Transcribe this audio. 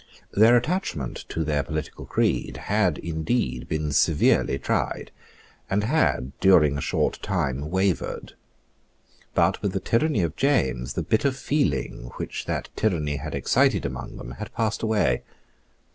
Their attachment to their political creed had indeed been severely tried, and had, during a short time, wavered. But with the tyranny of James the bitter feeling which that tyranny had excited among them had passed away.